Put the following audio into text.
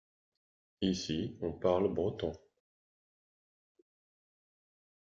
Ici on parle breton.